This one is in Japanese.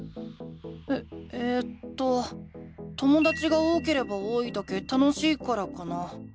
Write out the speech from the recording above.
ええとともだちが多ければ多いだけ楽しいからかな。